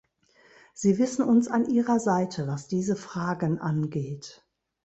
Sie wissen uns an Ihrer Seite, was diese Fragen angeht.